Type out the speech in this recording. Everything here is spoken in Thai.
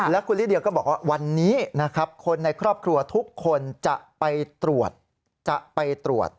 แล้วคุณลิเดียก็บอกว่าวันนี้คนในครอบครัวทุกคนจะไปตรวจ